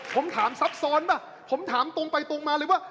ผมถามซับซ้อนตรงไปตรงมาเลยว่า